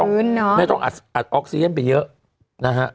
ไม่ต้องอัดออกซีเย็นไปเยอะนะฮะ